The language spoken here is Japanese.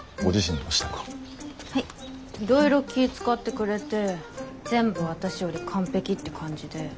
いろいろ気ぃ遣ってくれて全部私より完璧って感じで。